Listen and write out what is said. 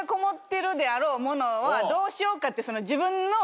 どうしようかって。